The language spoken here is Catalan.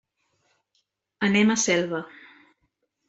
Anem a Selva.